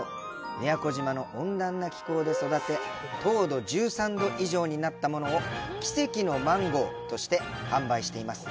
宮古島の温暖な気候で育て糖度１３度以上になったものを奇跡のマンゴーとして販売しています。